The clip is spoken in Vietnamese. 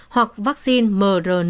hoặc bổ sung cùng loại vaccine